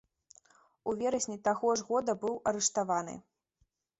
У верасні таго ж года быў арыштаваны.